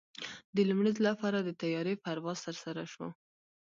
د لومړي ځل لپاره د طیارې پرواز ترسره شو.